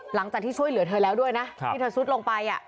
หลังจากที่ช่วยเหลือเธอแล้วด้วยนะที่เธอซุดลงไป